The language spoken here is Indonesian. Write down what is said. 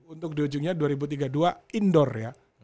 untuk di ujungnya dua ribu tiga puluh dua indoor ya